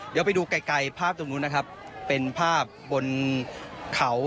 เดี๋ยวไปดูไกลภาพตรงนู้นนะครับเป็นภาพบนเขา